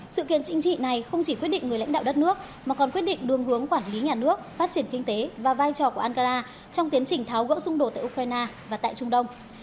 sự kiện chính trị này không chỉ quyết định người lãnh đạo đất nước mà còn quyết định đường hướng quản lý nhà nước phát triển kinh tế và vai trò của ankara trong tiến trình tháo gỡ xung đột tại ukraine và tại trung đông